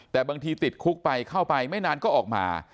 แต่บางทีติดคุกไปเข้าไปไม่นานก็ออกมา